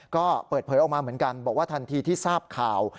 ก็เปิดเผยออกมาเหมือนกันบอกว่าทันทีที่ทราบข่าว